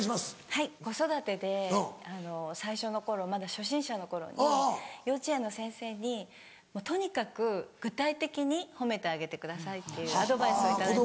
はい子育てで最初の頃まだ初心者の頃に幼稚園の先生にとにかく具体的に褒めてあげてくださいっていうアドバイスを頂いたんです。